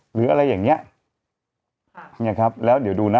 หรืออะไรอย่างเงี้ยค่ะเนี่ยครับแล้วเดี๋ยวดูนะ